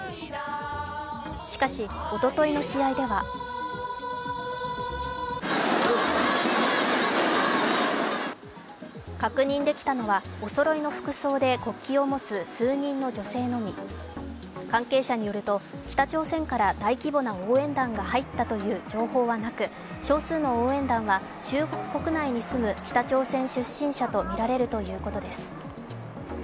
しかし、おとといの試合では確認できたのはおそろいの服装で国旗を持つ数人の女性のみ、関係者によると、北朝鮮から大規模な応援団が入ったという情報はなく少数の応援団は中国国内に住む北朝鮮出身者とみられるということです。